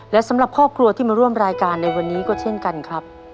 และสำหรับครอบครัวที่มาร่วมรายการในวันนี้ก็เช่นกันครับ